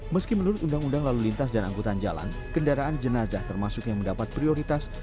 meski menurut undang undang lalu lintas dan angkutan jalan kendaraan jenazah termasuk yang mendapat prioritas